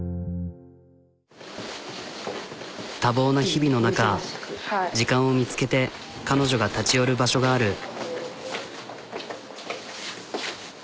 多忙な日々の中時間を見つけて彼女が立ち寄る場所がある。